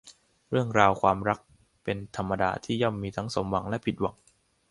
เรื่องราวของความรักเป็นธรรมดาที่ย่อมมีทั้งสมหวังและผิดหวัง